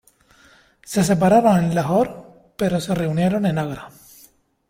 Se separaron en Lahore, pero se reunieron en Agra.